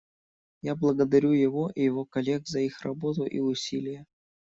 Я благодарю его и его коллег за их работу и усилия.